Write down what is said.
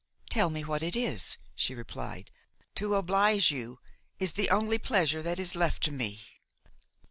"Tell me what it is," she replied; "to oblige you is the only pleasure that is left to me."